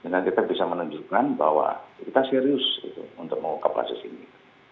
dan kita bisa menunjukkan bahwa kita serius untuk mengungkap kasus ini